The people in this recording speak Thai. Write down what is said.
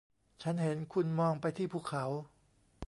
ฉันเห็นคุณมองไปที่ภูเขา